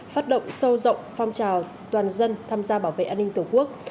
phát động sâu rộng phong trào toàn dân tham gia bảo vệ an ninh tổ quốc